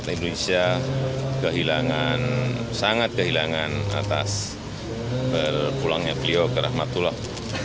indonesia kehilangan sangat kehilangan atas berpulangnya beliau ke rahmatullah